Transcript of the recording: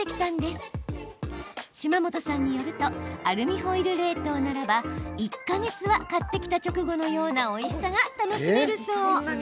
島本さんによるとアルミホイル冷凍ならば１か月は買ってきた直後のようなおいしさが楽しめるそう。